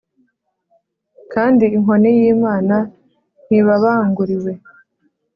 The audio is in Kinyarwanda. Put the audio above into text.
kandi inkoni y’imana ntibabanguriwe